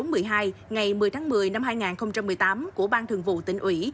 ngày một mươi tháng một mươi năm hai nghìn một mươi tám của ban thường vụ tỉnh ủy